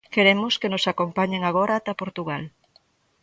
Queremos que nos acompañen agora ata Portugal.